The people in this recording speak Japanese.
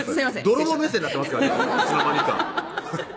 泥棒目線なってますからね